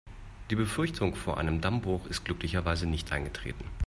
Die Befürchtung vor einem Dammbruch ist glücklicherweise nicht eingetreten.